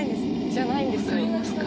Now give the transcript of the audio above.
じゃないんですよ。